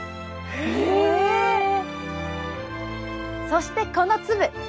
そしてこの粒。